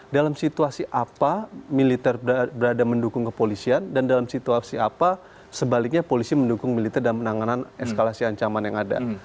dalam situasi apa militer berada mendukung kepolisian dan dalam situasi apa sebaliknya polisi mendukung militer dan penanganan eskalasi ancaman yang ada